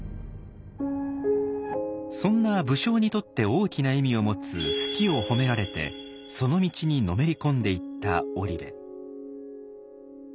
そんな武将にとって大きな意味を持つ数寄を褒められてその道にのめり込んでいった織部。